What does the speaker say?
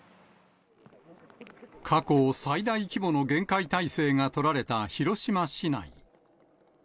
過去最大規模の厳戒態勢が取られた広島市内。